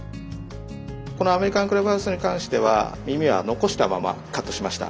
このアメリカンクラブハウスに関してはみみは残したままカットしました。